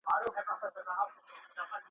یو درزن چي دي زامن دي زېږولي.